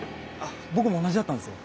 僕も同じだったんですよ。